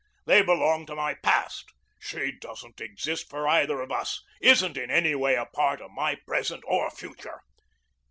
They belong to my past. She doesn't exist for either of us isn't in any way a part of my present or future."